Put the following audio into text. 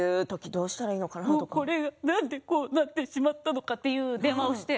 なんでこうなってしまったのかという電話をして。